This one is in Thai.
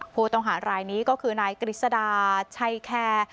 ผู้ต้องหารายนี้ก็คือนายกฤษดาชัยแคร์